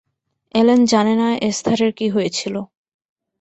Allen জানে না এস্থারের কী হয়েছিল।